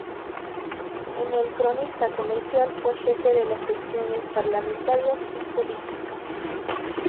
En El Cronista Comercial fue jefe de las secciones "Parlamentarias" y "Política".